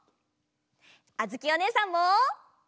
あづきおねえさんも。